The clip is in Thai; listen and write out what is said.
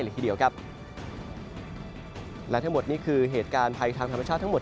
หลังทั้งหมดนี้คือเหตุการณ์ภัยทางธรรมชาติทั้งหมด